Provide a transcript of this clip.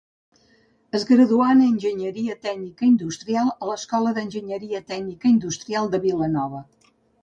Es graduà en enginyeria tècnica industrial a l'Escola d’Enginyeria Tècnica Industrial de Vilanova.